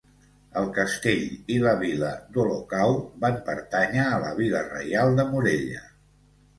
El castell i la vila d'Olocau van pertànyer a la vila reial de Morella.